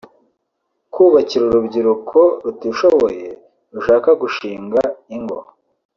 kubakira urubyiruko rutishoboye rushaka gushinga ingo